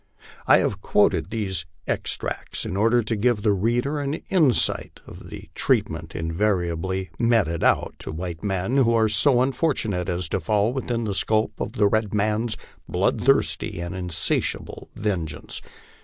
I have quoted these extracts in order to give the reader an insight of the treatment invariably meted out to white men who are so unfortunate as to fall within the scope of the red man's bloodthirsty and insatiable vengeance.